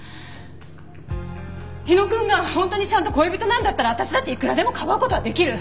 火野くんが本当にちゃんと恋人なんだったら私だっていくらでもかばうことはできる。